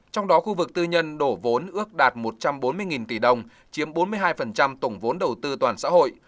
trong đó khu vực tư nhân đổ vốn ước đạt một trăm bốn mươi tỷ đồng chiếm bốn mươi hai tổng vốn đầu tư toàn xã hội